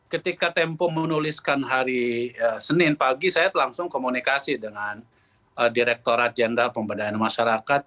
ketika tempo menuliskan hari senin pagi saya langsung komunikasi dengan direkturat jenderal pemberdayaan masyarakat